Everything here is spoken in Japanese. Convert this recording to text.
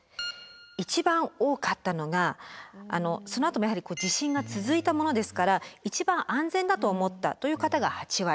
一番多かったのがそのあともやはり地震が続いたものですから「一番安全だと思った」という方が８割。